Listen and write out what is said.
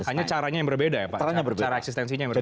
hanya caranya yang berbeda ya pak cara eksistensinya yang berbeda